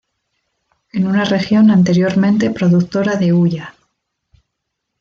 En una región anteriormente productora de hulla.